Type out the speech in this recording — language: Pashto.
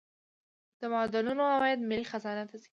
د معدنونو عواید ملي خزانې ته ځي